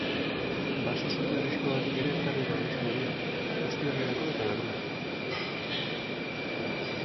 Baso-sute arriskuagatik ere ezarri du abisu horia ostiralerako eta larunbaterako.